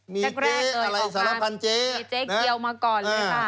มีเจ๊อะไรสารพันธ์เจ๊มีเจ๊เกียวมาก่อนเลยค่ะ